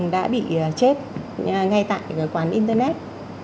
đã bị chết ngay tại cái quán internet